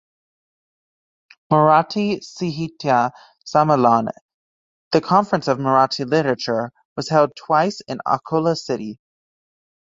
Marathi Sahitya Sammelan, the conference on Marathi Literature, was held twice in Akola city.